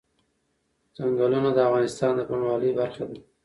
چنګلونه د افغانستان د بڼوالۍ برخه ده.